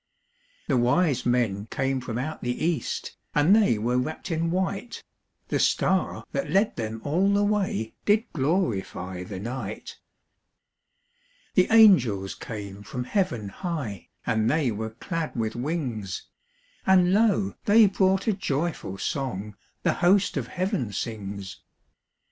The wise men came from out the east, And they were wrapped in white; The star that led them all the way Did glorify the night. The angels came from heaven high, And they were clad with wings; And lo, they brought a joyful song The host of heaven sings.